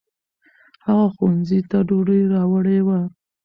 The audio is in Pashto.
هغه ښوونځي ته ډوډۍ راوړې وه.